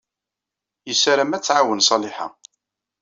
Yessaram ad t-tɛawen Ṣaliḥa.